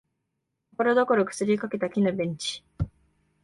ところどころ腐りかけた木のベンチ